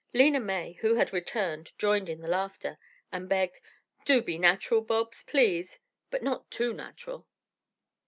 Lena May, who had returned, joined in the laughter, and begged, "Do be natural, Bobs, please, but not too natural."